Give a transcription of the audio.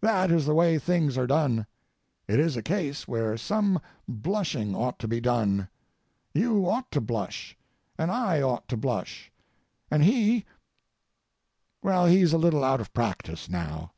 That is the way things are done. It is a case where some blushing ought to be done. You ought to blush, and I ought to blush, and he—well, he's a little out of practice now.